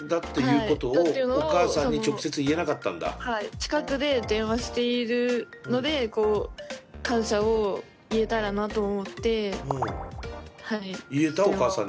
近くで電話しているので感謝を言えたらなと思ってはい電話を。